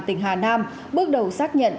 tỉnh hà nam bước đầu xác nhận